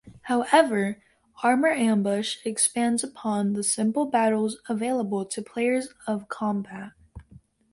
However, "Armor Ambush" expands upon the simple battles available to players of "Combat".